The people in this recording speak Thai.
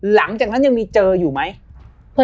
หลังจากนั้นยังมีเจออยู่ไหม